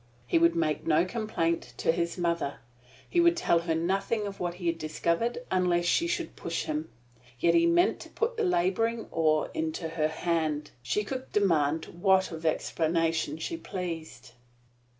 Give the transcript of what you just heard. He would make no complaint to his mother; he would tell her nothing of what he had discovered, unless she should push him. Yet he meant to put the laboring oar into her hand. She could demand what of explanation she pleased.